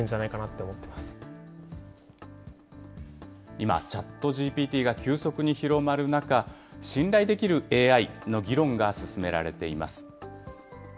今、ＣｈａｔＧＰＴが急速に広まる中、信頼できるＡＩの議論が進められています。